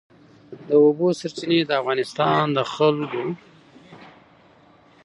د اوبو سرچینې د افغانستان د ځانګړي ډول جغرافیه استازیتوب کوي.